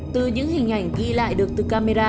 từ những hình ảnh ghi lại được từ camera